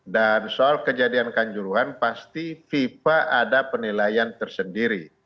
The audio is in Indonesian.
dan soal kejadian kanjuruhan pasti fifa ada penilaian tersendiri